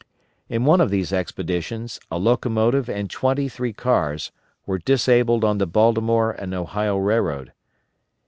In one of these expeditions a locomotive and twenty three cars were disabled on the Baltimore and Ohio Railroad.